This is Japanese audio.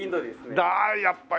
だあーやっぱり。